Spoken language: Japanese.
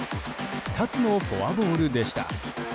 ２つのフォアボールでした。